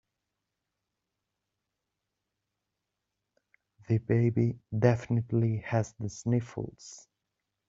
The baby definitely has the sniffles.